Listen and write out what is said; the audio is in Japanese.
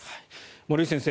森内先生